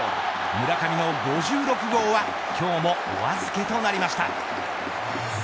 村上の５６号は今日もお預けとなりました。